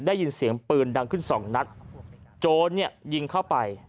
ได้ยินเสียงปืนดังขึ้นสองนัดโจรเนี่ยยิงเข้าไป